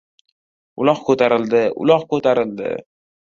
— Uloq ko‘tarildi, uloq ko‘tarildi!